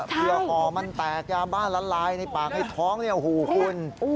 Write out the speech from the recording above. เพียวห่อมันแตกยาบ้ารันรายในปากให้ท้องหูคุณ